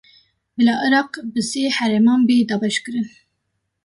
Bila Iraq bi sê herêman bê dabeşkirin